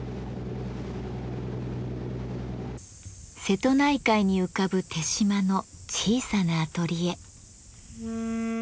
瀬戸内海に浮かぶ豊島の小さなアトリエ。